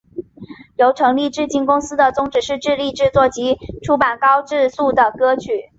由成立至今公司的宗旨是致力制作及出版高质素的歌曲。